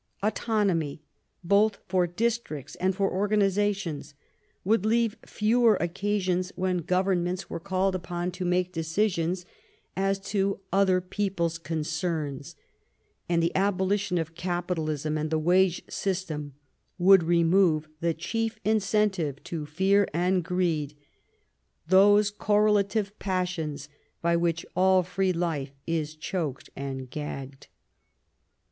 Autonomy, both for districts and for organizations, would leave fewer occasions when governments were called upon to make decisions as to other people's concerns. And the abolition of capitalism and the wage system would remove the chief incentive to fear and greed, those correlative passions by which all free life is choked and gagged.